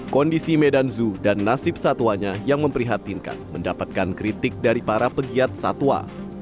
kondisi medan zoo dan nasib satwanya yang memprihatinkan mendapatkan kritik dari para pegiat satwa